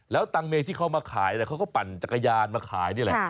แล้วตังเมย์ที่เขามาขายเขาก็ปั่นจักรยานมาขายนี่แหละ